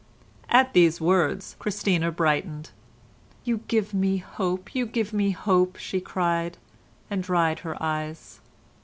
At these words Christina brightened. "You give me hope, you give me hope," she cried, and dried her eyes.